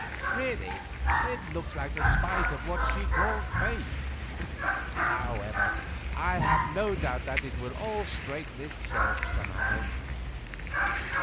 Really, it looks like a spite of what she called Fate. However, I have no doubt that it will all straighten itself somehow.